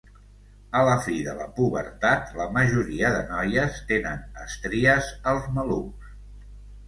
A la fi de la pubertat la majoria de noies tenen estries als malucs.